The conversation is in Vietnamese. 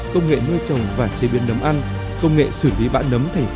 công nghệ nuôi trồng và chế biến nấm ăn công nghệ xử lý bã nấm thành